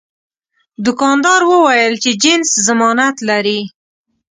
دوکاندار وویل چې جنس ضمانت لري.